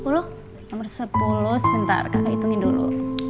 nomor sepuluh sebentar kita hitungin dulu